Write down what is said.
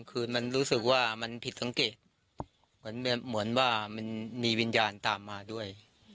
คือมันรู้สึกว่ามันผิดสังเกตเหมือนว่ามันมีวิญญาณตามมาด้วย